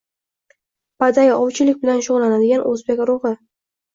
Baday–ovchilik bilan shug‘ullanadigan o‘zbek urug‘i,.